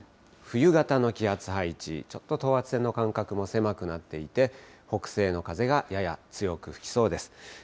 冬型の気圧配置、ちょっと等圧線の間隔も狭くなっていて、北西の風がやや強く吹きそうです。